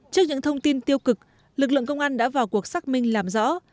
trước những thông tin tiêu cực lực lượng công an đã vào cuộc xác minh làm rõ